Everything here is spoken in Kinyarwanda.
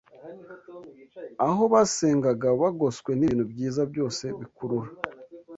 aho basengaga bagoswe n’ibintu byiza byose bikurura